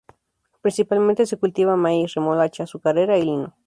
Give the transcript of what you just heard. Principalmente se cultiva maiz, remolacha azucarera y lino.